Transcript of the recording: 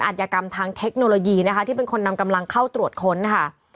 อาจยากรรมทางเทคโนโลยีนะคะที่เป็นคนนำกำลังเข้าตรวจค้นค่ะ